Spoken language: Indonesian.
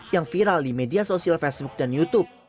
yang viral di media sosial facebook dan youtube